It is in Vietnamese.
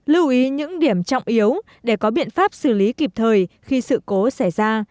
lưu ý những điểm trọng yếu để có biện pháp xử lý kịp thời khi sự cố xảy ra